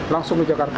langsung ke jakarta